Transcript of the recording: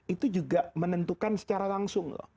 itu juga menentukan secara langsung loh